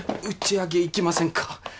打ち上げ行きませんか？